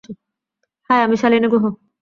High, আমি শালিনী গুহ।